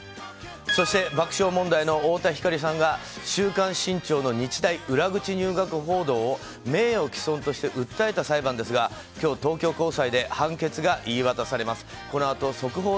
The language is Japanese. そして爆笑問題の太田光さんが「週刊新潮」の日大裏口入学を名誉毀損として訴えた裁判ですが今日、東京高裁で判決が言い渡されます。